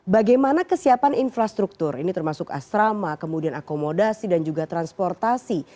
bagaimana kesiapan infrastruktur ini termasuk asrama kemudian akomodasi dan juga transportasi